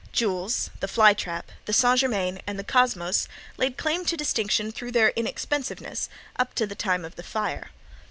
Jule's, the Fly Trap, the St. Germain and the Cosmos laid claim to distinction through their inexpensiveness, up to the time of the fire.